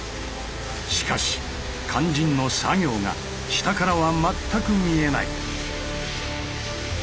しかし肝心の作業が下からは全く見えない。